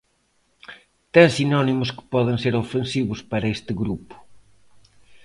Ten sinónimos que poden ser ofensivos para este grupo.